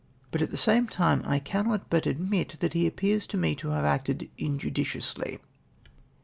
" But at the same time I cannot but admit that he appears to me to have acted injudiciously.